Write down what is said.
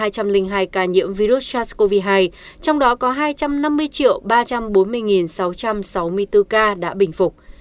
trong đó có hai trăm một mươi năm hai trăm linh hai ca nhiễm virus sars cov hai trong đó có hai trăm năm mươi ba trăm bốn mươi sáu trăm sáu mươi bốn ca đã bình phục